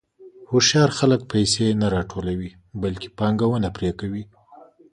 هوښیار خلک پیسې نه راټولوي، بلکې پانګونه پرې کوي.